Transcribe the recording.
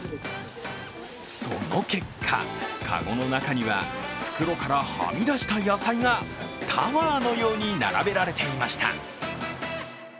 その結果、かごの中には袋からはみ出した野菜がタワーのように並べられていました。